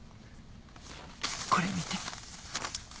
これ見て。